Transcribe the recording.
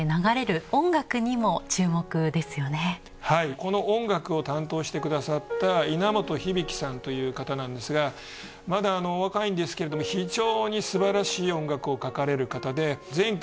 この音楽を担当してくださった稲本響さんという方なんですがまだお若いんですけれども非常に素晴らしい音楽を書かれる方で全曲